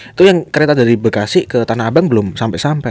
itu yang kereta dari bekasi ke tanah abang belum sampai sampai